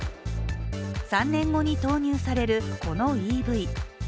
３年後に投入される、このＥＶ。